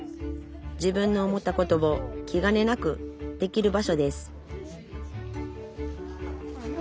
自分の思ったことをきがねなくできる場所です